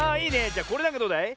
じゃこれなんかどうだい？